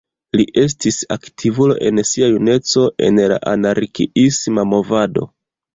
Li estis aktivulo en sia juneco en la anarkiisma movado.